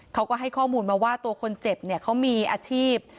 เขาก็ให้ข้อมูลมาว่าตัวคนเจ็บเนี่ยเขามีอาชีพ